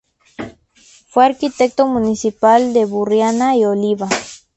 Fue arquitecto municipal de Burriana y Oliva.